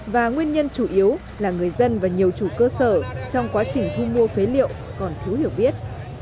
và nguyên nhân chủ yếu là người dân và nhiều chủ cơ sở trong quá trình thu mua phế liệu còn thiếu hiểu biết